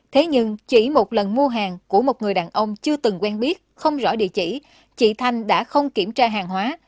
thế nhưng chỉ một lần mua hàng của một người đàn ông chưa từng quen biết không rõ địa chỉ chị thanh đã không kiểm tra hàng hóa